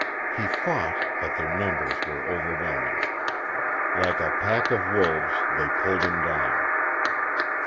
He fought, but their numbers were overwhelming. Like a pack of wolves they pulled him down.